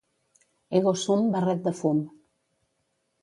Ego sum barret de fum.